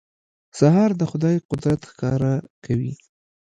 سهار د خدای قدرت ښکاره کوي.